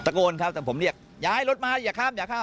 โกนครับแต่ผมเรียกอย่าให้รถมาอย่าข้ามอย่าข้าม